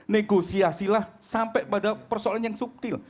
negosiasilah sampai pada persoalan yang subtil